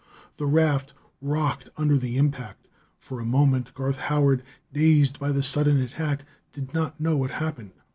The raft rocked under the impact; for a moment Garth Howard, dazed by the sudden attack, did not know what had happened.